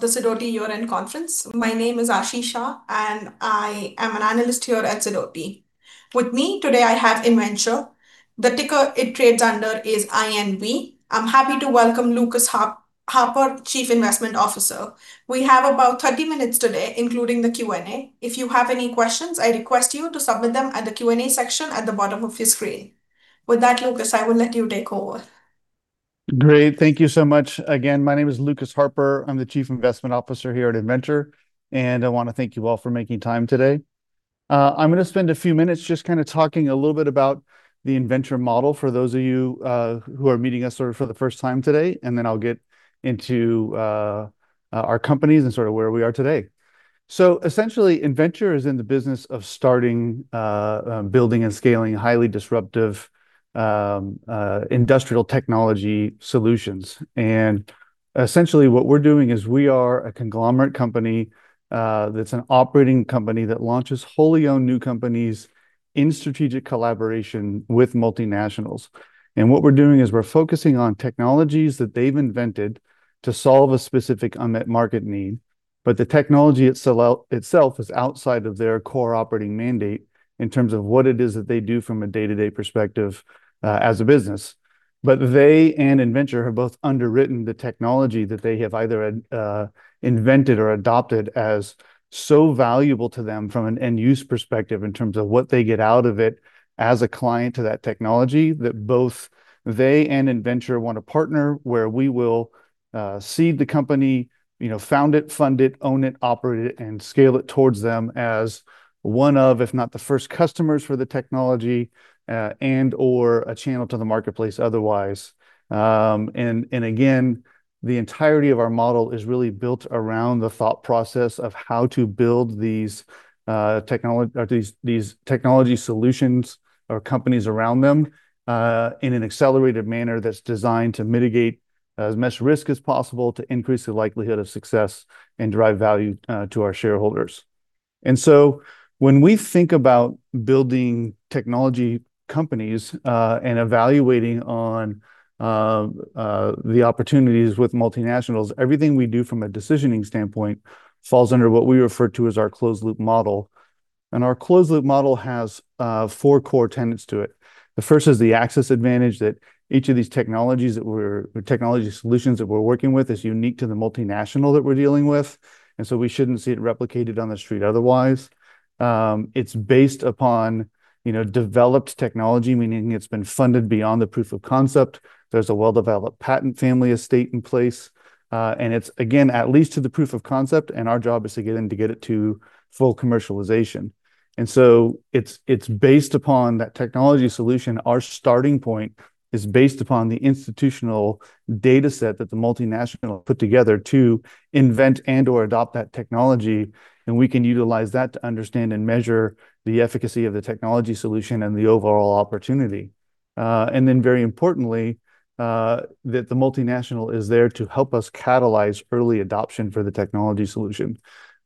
The Sidoti Year-End Conference. My name is Ashisha, and I am an analyst here at Sidoti. With me today, I have Innventure. The ticker it trades under is INV. I'm happy to welcome Lucas Harper, Chief Investment Officer. We have about 30 minutes today, including the Q&A. If you have any questions, I request you to submit them at the Q&A section at the bottom of your screen. With that, Lucas, I will let you take over. Great. Thank you so much. Again, my name is Lucas Harper. I'm the Chief Investment Officer here at Innventure, and I want to thank you all for making time today. I'm going to spend a few minutes just kind of talking a little bit about the Innventure model for those of you who are meeting us sort of for the first time today, and then I'll get into our companies and sort of where we are today. So essentially, Innventure is in the business of starting building and scaling highly disruptive industrial technology solutions. And essentially, what we're doing is we are a conglomerate company that's an operating company that launches wholly owned new companies in strategic collaboration with multinationals. What we're doing is we're focusing on technologies that they've invented to solve a specific unmet market need, but the technology itself is outside of their core operating mandate in terms of what it is that they do from a day-to-day perspective as a business. They and Innventure have both underwritten the technology that they have either invented or adopted as so valuable to them from an end-use perspective in terms of what they get out of it as a client to that technology. Both they and Innventure want to partner where we will seed the company, found it, fund it, own it, operate it, and scale it towards them as one of, if not the first customers for the technology and/or a channel to the marketplace otherwise. And again, the entirety of our model is really built around the thought process of how to build these technology solutions or companies around them in an accelerated manner that's designed to mitigate as much risk as possible to increase the likelihood of success and drive value to our shareholders. And so when we think about building technology companies and evaluating on the opportunities with multinationals, everything we do from a decisioning standpoint falls under what we refer to as our closed-loop model. And our closed-loop model has four core tenets to it. The first is the access advantage that each of these technology solutions that we're working with is unique to the multinational that we're dealing with. And so we shouldn't see it replicated on the street otherwise. It's based upon developed technology, meaning it's been funded beyond the proof of concept. There's a well-developed patent family estate in place, and it's, again, at least to the proof of concept, and our job is to get it to full commercialization, and so it's based upon that technology solution. Our starting point is based upon the institutional data set that the multinational put together to invent and/or adopt that technology, and we can utilize that to understand and measure the efficacy of the technology solution and the overall opportunity, and then very importantly, that the multinational is there to help us catalyze early adoption for the technology solution,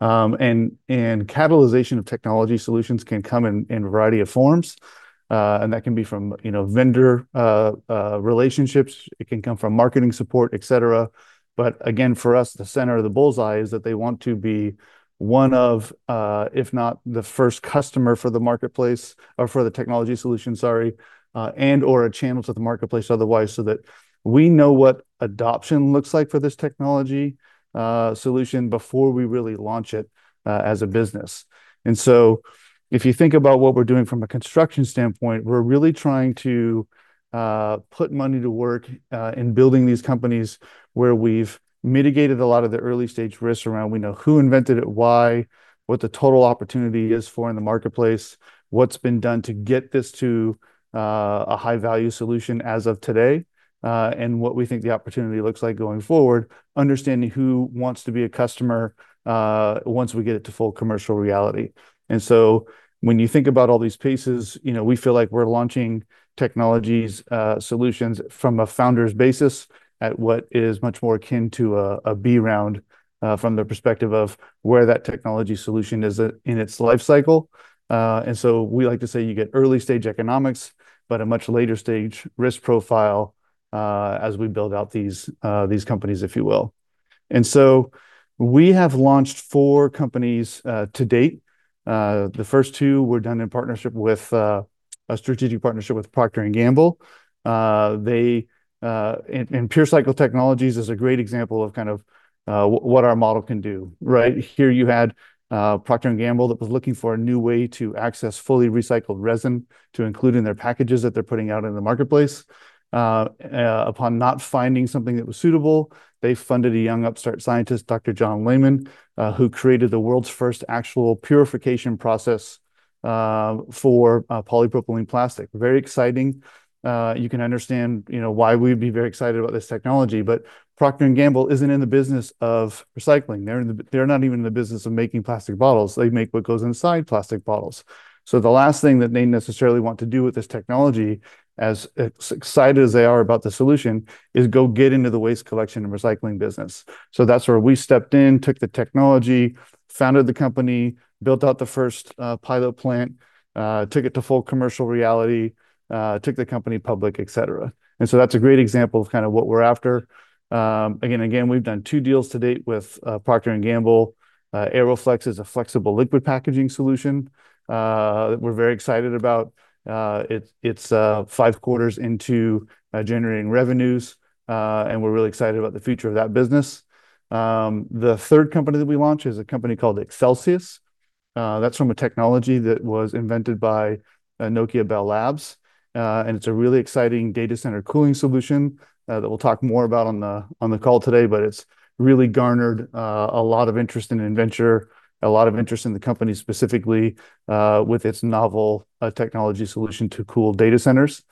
and catalyzation of technology solutions can come in a variety of forms, and that can be from vendor relationships. It can come from marketing support, etc. But again, for us, the center of the bullseye is that they want to be one of, if not the first customer for the marketplace or for the technology solution, sorry, and/or a channel to the marketplace otherwise so that we know what adoption looks like for this technology solution before we really launch it as a business. And so if you think about what we're doing from a construction standpoint, we're really trying to put money to work in building these companies where we've mitigated a lot of the early-stage risks around we know who invented it, why, what the total opportunity is for in the marketplace, what's been done to get this to a high-value solution as of today, and what we think the opportunity looks like going forward, understanding who wants to be a customer once we get it to full commercial reality. And so when you think about all these pieces, we feel like we're launching technology solutions from a founder's basis at what is much more akin to a B round from the perspective of where that technology solution is in its life cycle. And so we like to say you get early-stage economics, but a much later-stage risk profile as we build out these companies, if you will. And so we have launched four companies to date. The first two were done in partnership with a strategic partnership with Procter & Gamble. And PureCycle Technologies is a great example of kind of what our model can do. Right here you had Procter & Gamble that was looking for a new way to access fully recycled resin to include in their packages that they're putting out in the marketplace. Upon not finding something that was suitable, they funded a young upstart scientist, Dr. John Layman, who created the world's first actual purification process for polypropylene plastic. Very exciting. You can understand why we'd be very excited about this technology, but Procter & Gamble isn't in the business of recycling. They're not even in the business of making plastic bottles. They make what goes inside plastic bottles. So the last thing that they necessarily want to do with this technology, as excited as they are about the solution, is go get into the waste collection and recycling business. So that's where we stepped in, took the technology, founded the company, built out the first pilot plant, took it to full commercial reality, took the company public, etc. And so that's a great example of kind of what we're after. Again, we've done two deals to date with Procter & Gamble. AeroFlexx is a flexible liquid packaging solution that we're very excited about. It's five quarters into generating revenues, and we're really excited about the future of that business. The third company that we launched is a company called Accelsius. That's from a technology that was invented by Nokia Bell Labs, and it's a really exciting data center cooling solution that we'll talk more about on the call today, but it's really garnered a lot of interest in Innventure, a lot of interest in the company specifically with its novel technology solution to cool data centers,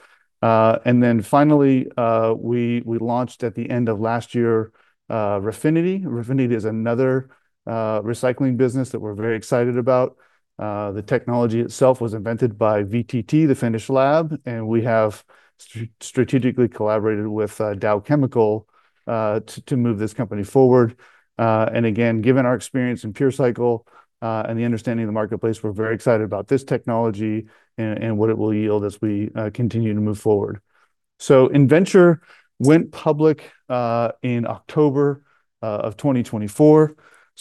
and then finally, we launched at the end of last year Refinity. Refinity is another recycling business that we're very excited about. The technology itself was invented by VTT, the Finnish lab, and we have strategically collaborated with Dow Chemical to move this company forward. Again, given our experience in PureCycle and the understanding of the marketplace, we're very excited about this technology and what it will yield as we continue to move forward. Innventure went public in October of 2024.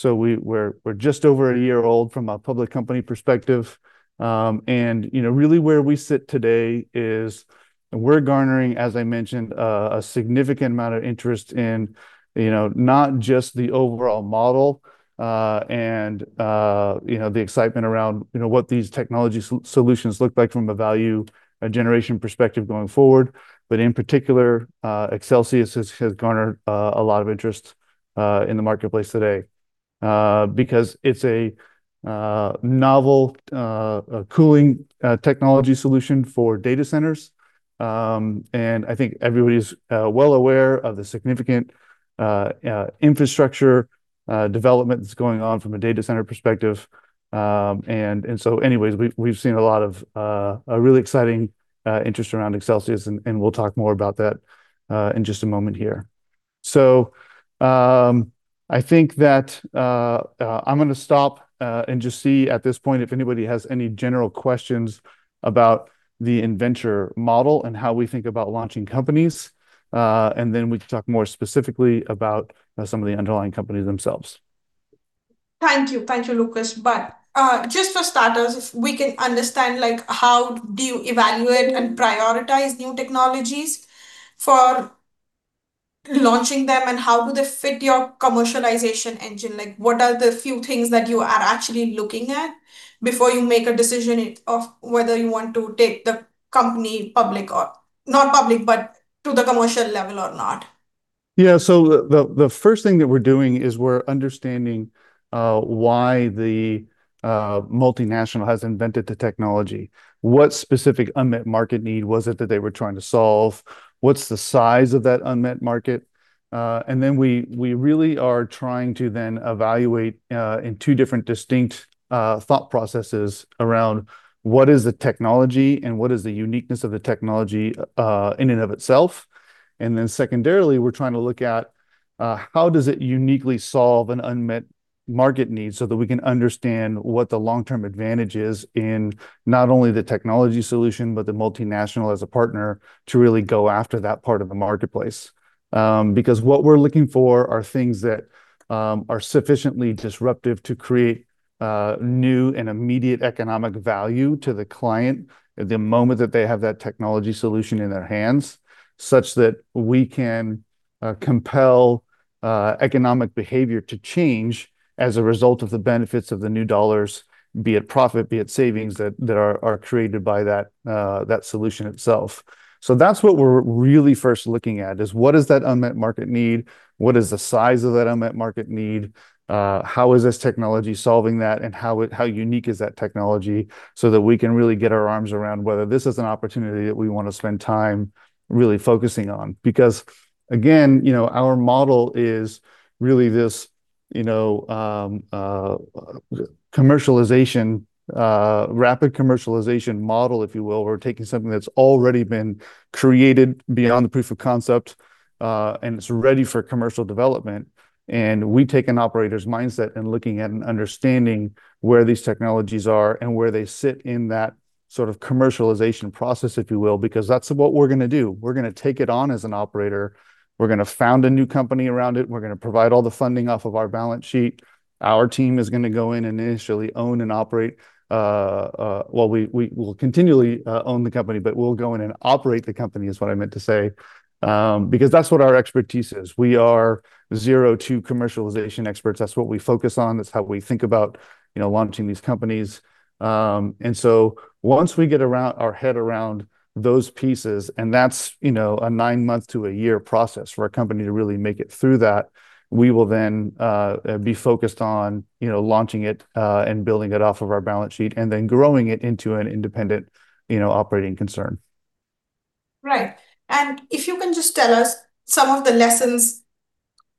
We're just over a year old from a public company perspective. Really, where we sit today is we're garnering, as I mentioned, a significant amount of interest in not just the overall model and the excitement around what these technology solutions look like from a value generation perspective going forward, but in particular, Accelsius has garnered a lot of interest in the marketplace today because it's a novel cooling technology solution for data centers. I think everybody's well aware of the significant infrastructure development that's going on from a data center perspective. We've seen a lot of really exciting interest around Accelsius, and we'll talk more about that in just a moment here. I think that I'm going to stop and just see at this point if anybody has any general questions about the Innventure model and how we think about launching companies, and then we can talk more specifically about some of the underlying companies themselves. Thank you. Thank you, Lucas. But just for starters, if we can understand how do you evaluate and prioritize new technologies for launching them and how do they fit your commercialization engine? What are the few things that you are actually looking at before you make a decision of whether you want to take the company public or not public, but to the commercial level or not? Yeah, so the first thing that we're doing is we're understanding why the multinational has invented the technology. What specific unmet market need was it that they were trying to solve? What's the size of that unmet market? And then we really are trying to then evaluate in two different distinct thought processes around what is the technology and what is the uniqueness of the technology in and of itself. And then secondarily, we're trying to look at how does it uniquely solve an unmet market need so that we can understand what the long-term advantage is in not only the technology solution, but the multinational as a partner to really go after that part of the marketplace. Because what we're looking for are things that are sufficiently disruptive to create new and immediate economic value to the client at the moment that they have that technology solution in their hands, such that we can compel economic behavior to change as a result of the benefits of the new dollars, be it profit, be it savings that are created by that solution itself. So that's what we're really first looking at is what is that unmet market need? What is the size of that unmet market need? How is this technology solving that? And how unique is that technology so that we can really get our arms around whether this is an opportunity that we want to spend time really focusing on? Because again, our model is really this commercialization, rapid commercialization model, if you will, where we're taking something that's already been created beyond the proof of concept and it's ready for commercial development, and we take an operator's mindset and looking at and understanding where these technologies are and where they sit in that sort of commercialization process, if you will, because that's what we're going to do. We're going to take it on as an operator. We're going to found a new company around it. We're going to provide all the funding off of our balance sheet. Our team is going to go in and initially own and operate, well, we will continually own the company, but we'll go in and operate the company is what I meant to say because that's what our expertise is. We are zero to commercialization experts. That's what we focus on. That's how we think about launching these companies. And so once we get our head around those pieces, and that's a nine-month to a year process for a company to really make it through that, we will then be focused on launching it and building it off of our balance sheet and then growing it into an independent operating concern. Right, and if you can just tell us some of the lessons,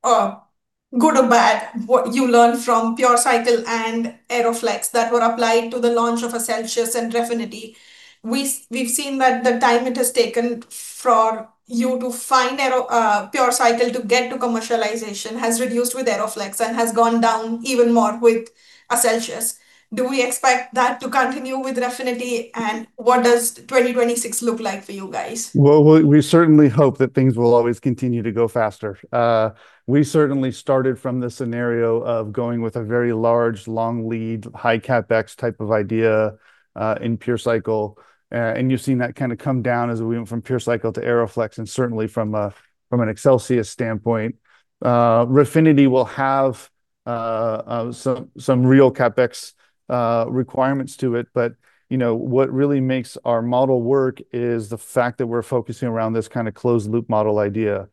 good or bad, what you learned from PureCycle and AeroFlexx that were applied to the launch of Accelsius and Refinity. We've seen that the time it has taken for you to from PureCycle to get to commercialization has reduced with AeroFlexx and has gone down even more with Accelsius. Do we expect that to continue with Refinity, and what does 2026 look like for you guys? We certainly hope that things will always continue to go faster. We certainly started from the scenario of going with a very large, long lead, high CapEx type of idea in PureCycle. You've seen that kind of come down as we went from PureCycle to AeroFlexx and certainly from an Accelsius standpoint. Refinity will have some real CapEx requirements to it, but what really makes our model work is the fact that we're focusing around this kind of closed-loop model idea.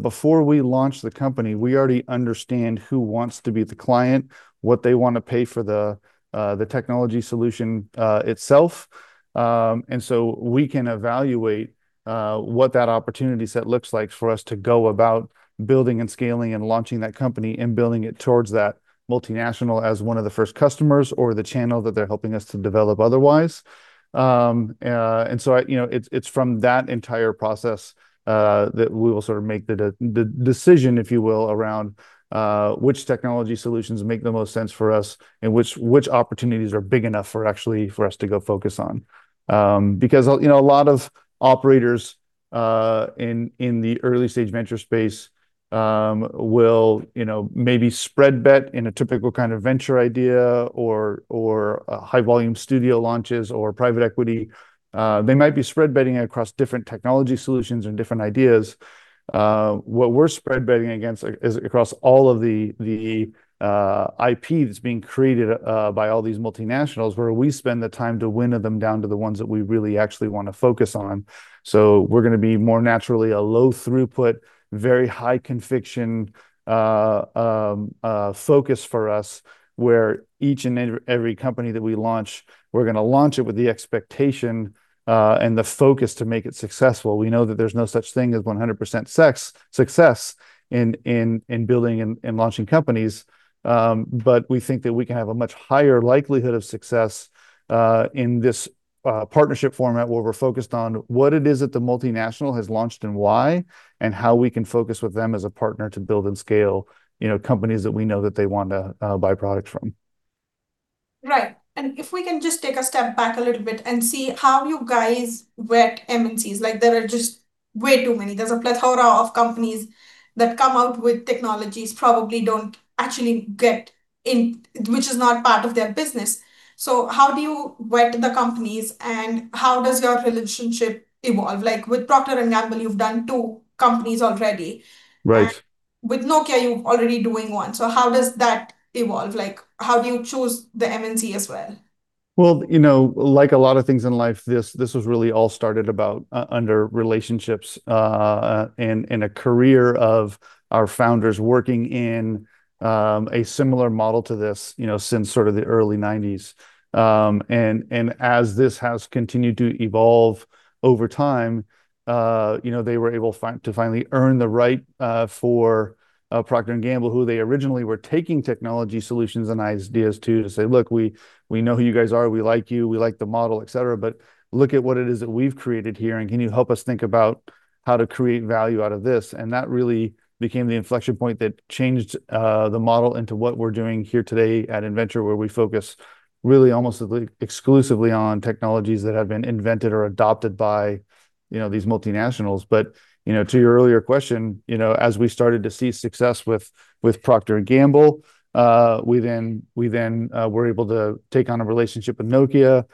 Before we launch the company, we already understand who wants to be the client, what they want to pay for the technology solution itself. And so we can evaluate what that opportunity set looks like for us to go about building and scaling and launching that company and building it towards that multinational as one of the first customers or the channel that they're helping us to develop otherwise. And so it's from that entire process that we will sort of make the decision, if you will, around which technology solutions make the most sense for us and which opportunities are big enough for us to go focus on. Because a lot of operators in the early-stage venture space will maybe spread bet in a typical kind of venture idea or high-volume studio launches or private equity. They might be spread betting across different technology solutions and different ideas. What we're spread betting against is across all of the IP that's being created by all these multinationals where we spend the time to winnow them down to the ones that we really actually want to focus on. So we're going to be more naturally a low-throughput, very high-conviction focus for us where each and every company that we launch, we're going to launch it with the expectation and the focus to make it successful. We know that there's no such thing as 100% success in building and launching companies, but we think that we can have a much higher likelihood of success in this partnership format where we're focused on what it is that the multinational has launched and why and how we can focus with them as a partner to build and scale companies that we know that they want to buy products from. Right. And if we can just take a step back a little bit and see how you guys MNCs. There are just way too many. There's a plethora of companies that come out with technologies probably don't actually get in, which is not part of their business. So how do you vet the companies and how does your relationship evolve? With Procter & Gamble, you've done two companies already. With Nokia, you're already doing one. So how does that evolve? How do you choose the MNC as well? Like a lot of things in life, this was really all started about under relationships and a career of our founders working in a similar model to this since sort of the early 1990s. As this has continued to evolve over time, they were able to finally earn the right for Procter & Gamble, who they originally were taking technology solutions and ideas to, to say, "Look, we know who you guys are. We like you. We like the model," etc. "But look at what it is that we've created here, and can you help us think about how to create value out of this?" That really became the inflection point that changed the model into what we're doing here today at Innventure, where we focus really almost exclusively on technologies that have been invented or adopted by these multinationals. But to your earlier question, as we started to see success with Procter & Gamble, we then were able to take on a relationship with Nokia.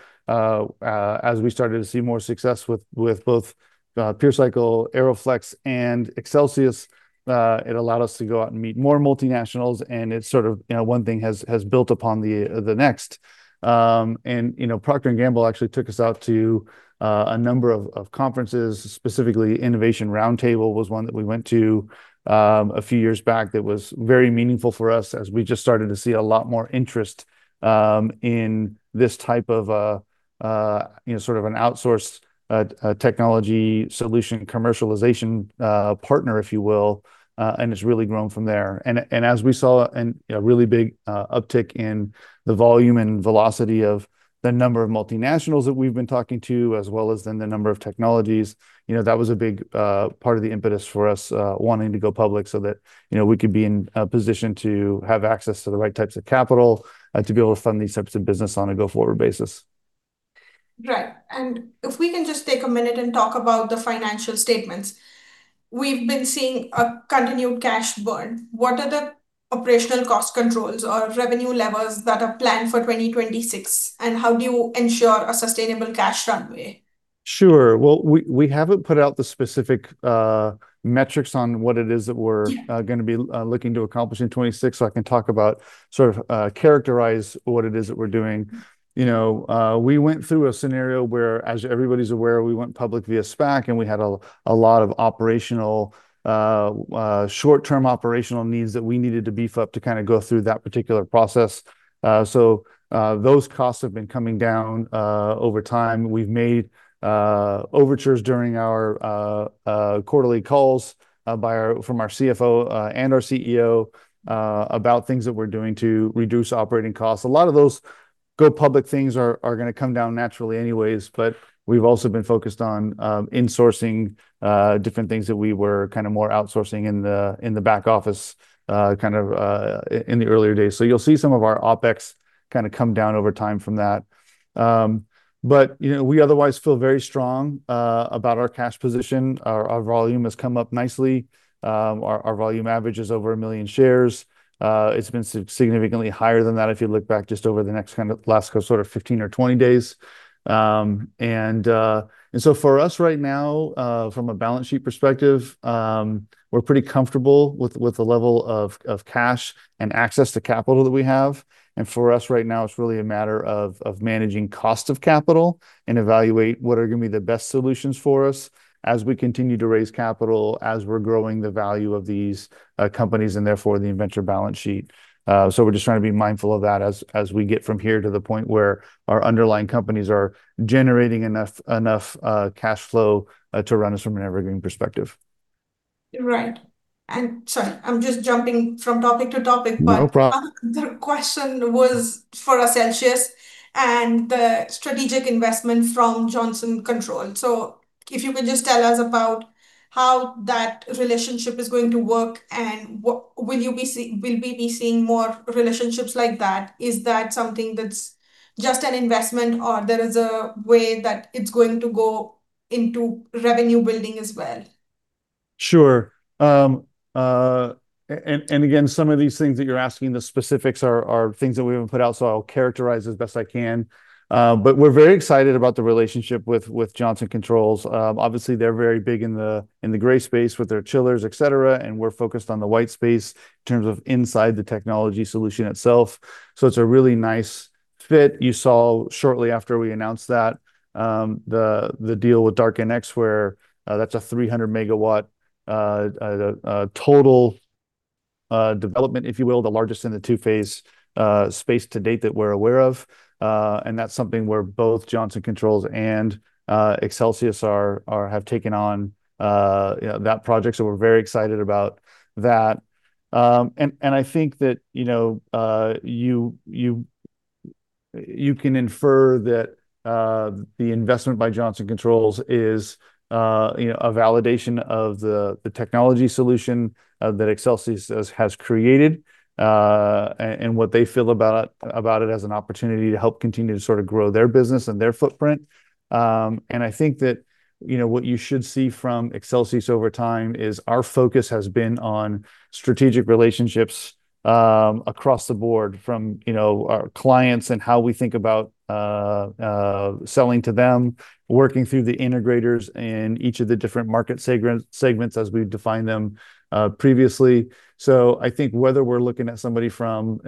As we started to see more success with both PureCycle, AeroFlexx, and Accelsius, it allowed us to go out and meet more multinationals, and it's sort of one thing has built upon the next. And Procter & Gamble actually took us out to a number of conferences. Specifically, Innovation Roundtable was one that we went to a few years back that was very meaningful for us as we just started to see a lot more interest in this type of sort of an outsourced technology solution commercialization partner, if you will, and it's really grown from there. As we saw a really big uptick in the volume and velocity of the number of multinationals that we've been talking to, as well as then the number of technologies, that was a big part of the impetus for us wanting to go public so that we could be in a position to have access to the right types of capital to be able to fund these types of business on a go-forward basis. Right, and if we can just take a minute and talk about the financial statements. We've been seeing a continued cash burn. What are the operational cost controls or revenue levels that are planned for 2026, and how do you ensure a sustainable cash runway? Sure. Well, we haven't put out the specific metrics on what it is that we're going to be looking to accomplish in 2026, so I can talk about sort of characterize what it is that we're doing. We went through a scenario where, as everybody's aware, we went public via SPAC, and we had a lot of short-term operational needs that we needed to beef up to kind of go through that particular process. So those costs have been coming down over time. We've made overtures during our quarterly calls from our CFO and our CEO about things that we're doing to reduce operating costs. A lot of those go public things are going to come down naturally anyways, but we've also been focused on insourcing different things that we were kind of more outsourcing in the back office kind of in the earlier days. You'll see some of our OpEx kind of come down over time from that. But we otherwise feel very strong about our cash position. Our volume has come up nicely. Our volume average is over a million shares. It's been significantly higher than that if you look back just over the next kind of last sort of 15 or 20 days. For us right now, from a balance sheet perspective, we're pretty comfortable with the level of cash and access to capital that we have. For us right now, it's really a matter of managing cost of capital and evaluate what are going to be the best solutions for us as we continue to raise capital, as we're growing the value of these companies and therefore the Innventure balance sheet. So we're just trying to be mindful of that as we get from here to the point where our underlying companies are generating enough cash flow to run us from an evergreen perspective. Right. And sorry, I'm just jumping from topic to topic, but. No problem. The question was for Accelsius and the strategic investment from Johnson Controls. So if you could just tell us about how that relationship is going to work and will you be seeing more relationships like that? Is that something that's just an investment or there is a way that it's going to go into revenue building as well? Sure. And again, some of these things that you're asking, the specifics are things that we haven't put out, so I'll characterize as best I can. But we're very excited about the relationship with Johnson Controls. Obviously, they're very big in the gray space with their chillers, etc., and we're focused on the white space in terms of inside the technology solution itself. So it's a really nice fit. You saw shortly after we announced that the deal with DarkNX, where that's a 300-MW total development, if you will, the largest in the two-phase space to date that we're aware of. And that's something where both Johnson Controls and Accelsius have taken on that project. So we're very excited about that. And I think that you can infer that the investment by Johnson Controls is a validation of the technology solution that Accelsius has created and what they feel about it as an opportunity to help continue to sort of grow their business and their footprint. And I think that what you should see from Accelsius over time is our focus has been on strategic relationships across the board from our clients and how we think about selling to them, working through the integrators in each of the different market segments as we've defined them previously. So I think whether we're looking at somebody from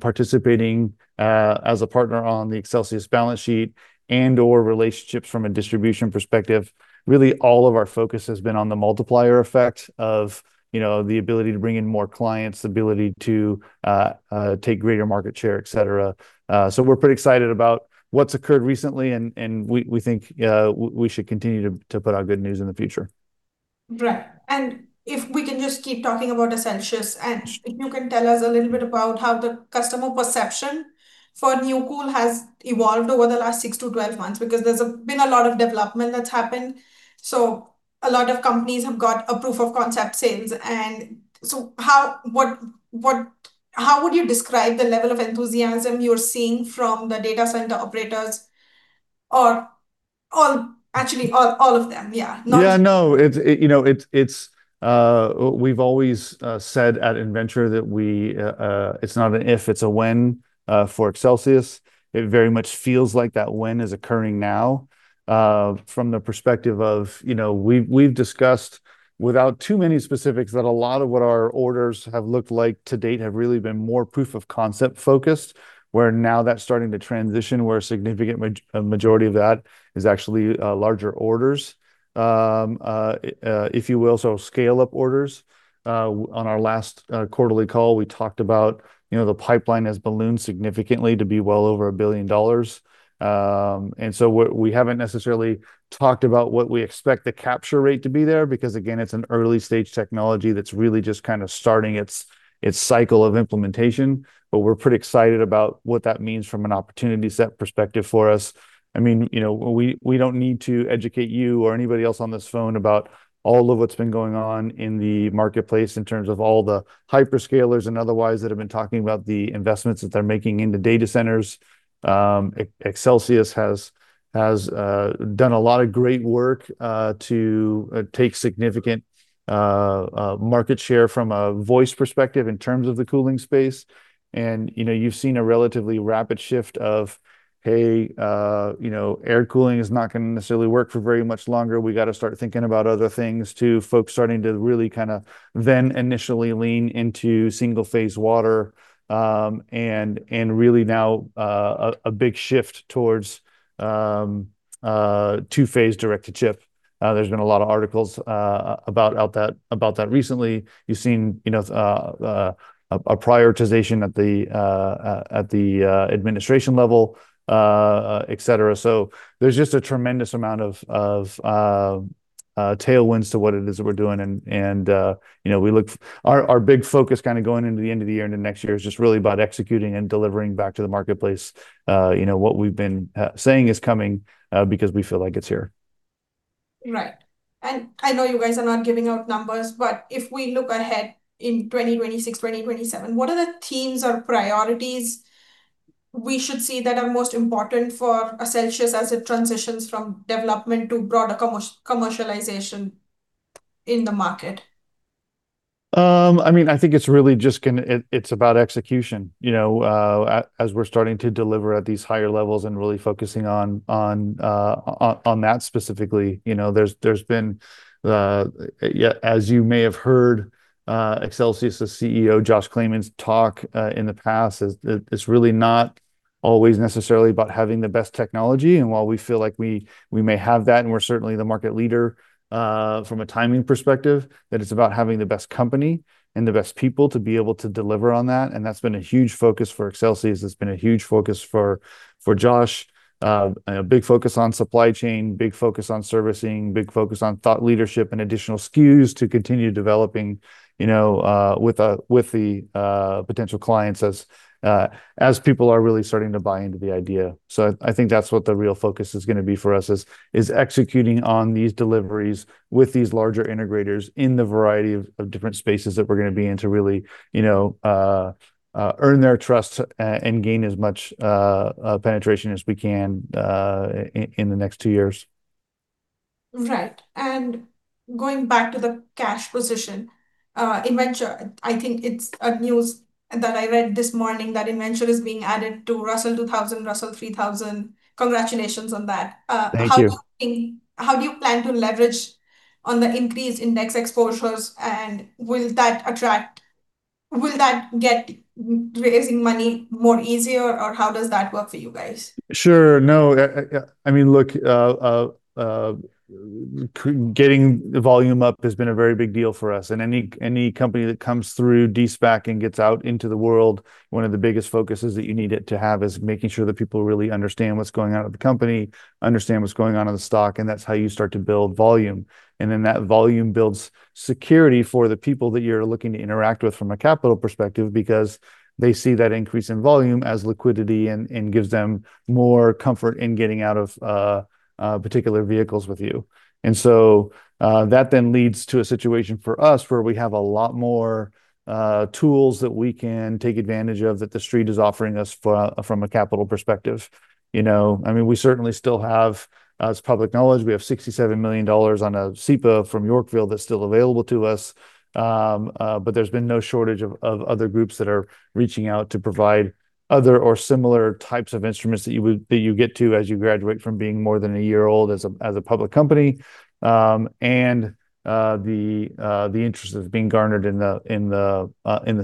participating as a partner on the Accelsius balance sheet and/or relationships from a distribution perspective, really all of our focus has been on the multiplier effect of the ability to bring in more clients, the ability to take greater market share, etc. So we're pretty excited about what's occurred recently, and we think we should continue to put out good news in the future. Right, and if we can just keep talking about Accelsius, and if you can tell us a little bit about how the customer perception for NeuCool has evolved over the last 6-12 months because there's been a lot of development that's happened, so a lot of companies have got a proof of concept sales, and so how would you describe the level of enthusiasm you're seeing from the data center operators or actually all of them? Yeah. Yeah, no. We've always said at Innventure that it's not an if, it's a when for Accelsius. It very much feels like that when is occurring now from the perspective of we've discussed without too many specifics that a lot of what our orders have looked like to date have really been more proof of concept focused, where now that's starting to transition where a significant majority of that is actually larger orders, if you will, so scale-up orders. On our last quarterly call, we talked about the pipeline has ballooned significantly to be well over $1 billion. And so we haven't necessarily talked about what we expect the capture rate to be there because, again, it's an early-stage technology that's really just kind of starting its cycle of implementation. But we're pretty excited about what that means from an opportunity set perspective for us. I mean, we don't need to educate you or anybody else on this phone about all of what's been going on in the marketplace in terms of all the hyperscalers and otherwise that have been talking about the investments that they're making into data centers. Accelsius has done a lot of great work to take significant market share from a voice perspective in terms of the cooling space. You've seen a relatively rapid shift of, "Hey, air cooling is not going to necessarily work for very much longer. We got to start thinking about other things," to folks starting to really kind of then initially lean into single-phase water and really now a big shift towards two-phase direct-to-chip. There's been a lot of articles about that recently. You've seen a prioritization at the administration level, etc. So there's just a tremendous amount of tailwinds to what it is that we're doing. And our big focus kind of going into the end of the year into next year is just really about executing and delivering back to the marketplace what we've been saying is coming because we feel like it's here. Right. And I know you guys are not giving out numbers, but if we look ahead in 2026-2027, what are the themes or priorities we should see that are most important for Accelsius as it transitions from development to broader commercialization in the market? I mean, I think it's really just going to it's about execution. As we're starting to deliver at these higher levels and really focusing on that specifically, there's been, as you may have heard Accelsius's CEO, Josh Claman's talk in the past, it's really not always necessarily about having the best technology. And while we feel like we may have that, and we're certainly the market leader from a timing perspective, that it's about having the best company and the best people to be able to deliver on that. And that's been a huge focus for Accelsius. It's been a huge focus for Josh. A big focus on supply chain, big focus on servicing, big focus on thought leadership and additional SKUs to continue developing with the potential clients as people are really starting to buy into the idea. I think that's what the real focus is going to be for us is executing on these deliveries with these larger integrators in the variety of different spaces that we're going to be in to really earn their trust and gain as much penetration as we can in the next two years. Right. And going back to the cash position, Innventure, I think it's a news that I read this morning that Innventure is being added to Russell 2000, Russell 3000. Congratulations on that. Thank you. How do you plan to leverage on the increased index exposures? And will that get raising money more easier, or how does that work for you guys? Sure. No, I mean, look, getting the volume up has been a very big deal for us, and any company that comes through de-SPAC and gets out into the world, one of the biggest focuses that you need to have is making sure that people really understand what's going on at the company, understand what's going on in the stock, and that's how you start to build volume, and then that volume builds security for the people that you're looking to interact with from a capital perspective because they see that increase in volume as liquidity and gives them more comfort in getting out of particular vehicles with you, and so that then leads to a situation for us where we have a lot more tools that we can take advantage of that the street is offering us from a capital perspective. I mean, we certainly still have, as public knowledge, we have $67 million on a SEPA from Yorkville that's still available to us, but there's been no shortage of other groups that are reaching out to provide other or similar types of instruments that you get to as you graduate from being more than a year old as a public company, and the interest is being garnered in the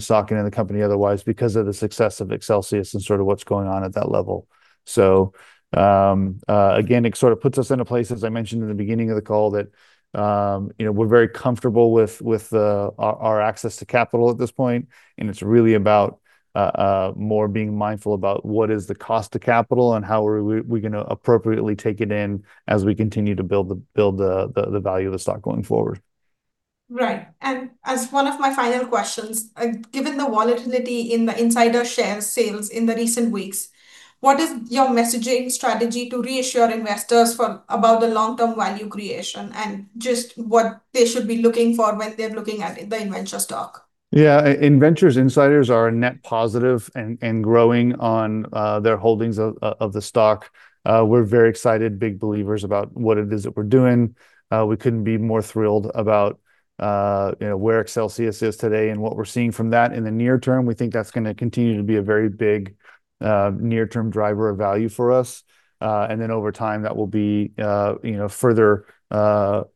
stock and in the company otherwise because of the success of Accelsius and sort of what's going on at that level, so again, it sort of puts us in a place, as I mentioned in the beginning of the call, that we're very comfortable with our access to capital at this point. It's really about more being mindful about what is the cost of capital and how are we going to appropriately take it in as we continue to build the value of the stock going forward. Right. And as one of my final questions, given the volatility in the insider share sales in the recent weeks, what is your messaging strategy to reassure investors about the long-term value creation and just what they should be looking for when they're looking at the Innventure stock? Yeah, Innventure's insiders are net positive and growing on their holdings of the stock. We're very excited, big believers about what it is that we're doing. We couldn't be more thrilled about where Accelsius is today and what we're seeing from that in the near term. We think that's going to continue to be a very big near-term driver of value for us. And then over time, that will be further backed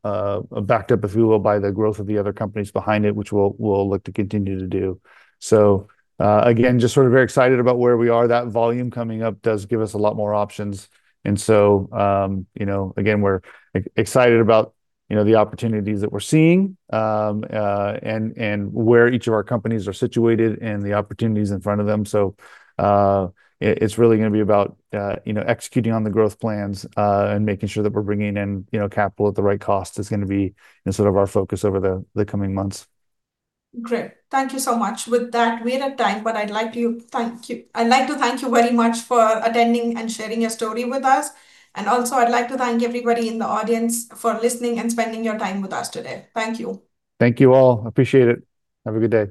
up, if we will, by the growth of the other companies behind it, which we'll look to continue to do. So again, just sort of very excited about where we are. That volume coming up does give us a lot more options. And so again, we're excited about the opportunities that we're seeing and where each of our companies are situated and the opportunities in front of them. It's really going to be about executing on the growth plans and making sure that we're bringing in capital at the right cost is going to be sort of our focus over the coming months. Great. Thank you so much. With that, we're at time, but I'd like to thank you. I'd like to thank you very much for attending and sharing your story with us. And also, I'd like to thank everybody in the audience for listening and spending your time with us today. Thank you. Thank you all. Appreciate it. Have a good day.